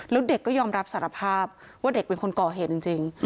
แล้วเด็กก็ยอมรับสารภาพว่าเด็กเป็นคนก่อเหตุจริง